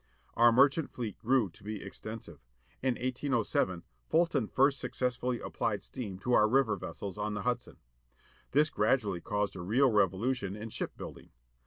Our merchant fleet grew to be extensive. In 1807, Fulton first successfully applied steam to our river vessels on the Hudson. This gradually caused a real revolution in ship building.